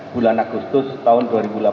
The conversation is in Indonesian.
bulan agustus tahun dua ribu delapan belas